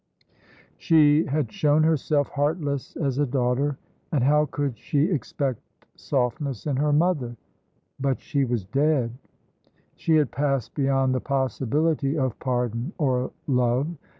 She had shown herself heartless as a daughter, and how could she expect softness in her mother? But she was dead. She had passed beyond the possibility of pardon or love.